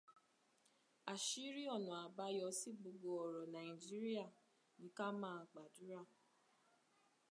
Àṣírí ọ̀nà àbáyọ sí gbogbo ọ̀rọ̀ Nàìjíríà ni ká máa gbàdúrà.